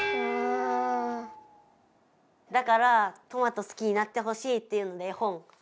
だからトマト好きになってほしいっていうので絵本。